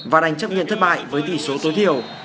và đành chấp nhận thất bại với tỷ số tối thiểu